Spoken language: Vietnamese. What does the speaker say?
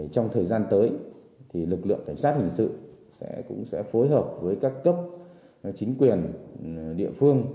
trong thời gian tới lực lượng cảnh sát hình sự cũng sẽ phối hợp với các cấp chính quyền địa phương